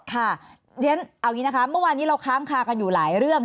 ค่ะเอาอย่างนี้นะคะเมื่อวานนี้เราค้างคากันอยู่หลายเรื่อง